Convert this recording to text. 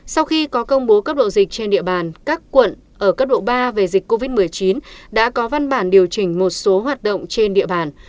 sau khi có công bố các độ dịch trên địa bàn các quận ở cấp độ ba về dịch covid một mươi chín đã có văn bản điều chỉnh một số hoạt động trên địa bàn